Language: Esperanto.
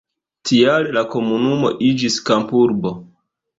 Tial la komunumo iĝis kampurbo.